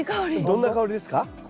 どんな香りですか？